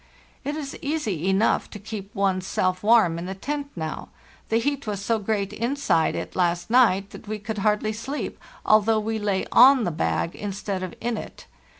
It is easy enough to keep one's self warm in the tent now. The heat was so great inside it last night that we could hardly sleep, although we lay on the bag instead of in it.